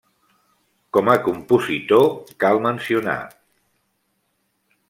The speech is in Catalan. Com a compositor cal mencionar.